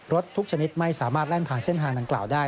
ทุกชนิดไม่สามารถแล่นผ่านเส้นทางดังกล่าวได้